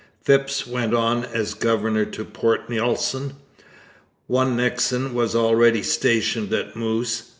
Phipps went as governor to Port Nelson. One Nixon was already stationed at Moose.